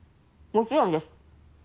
もちろんです